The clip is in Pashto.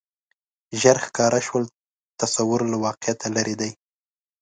ژر ښکاره شول تصور له واقعیته لرې دی